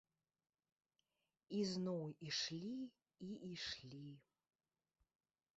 І зноў ішлі і ішлі.